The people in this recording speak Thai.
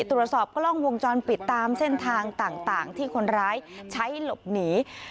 ตรวจสอบกล้องวงจรปิดตามเส้นทางต่างที่คนร้ายใช้หลบหนี